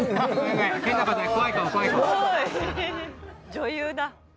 女優だ。